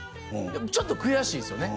ちょっと悔しいですよね